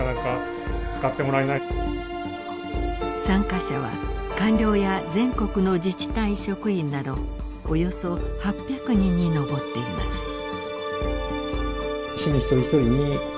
参加者は官僚や全国の自治体職員などおよそ８００人に上っています。